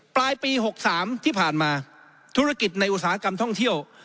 ปลายปี๖๓ที่ผ่านมาธุรกิจในอุตสาหกรรมท่องเที่ยว